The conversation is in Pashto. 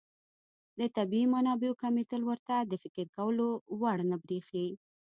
د طبیعي منابعو کمېدل ورته د فکر کولو وړ نه بريښي.